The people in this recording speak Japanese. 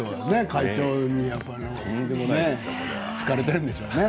会長にね好かれているんでしょうね。